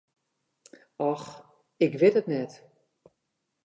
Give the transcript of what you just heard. Och, ik wit it net.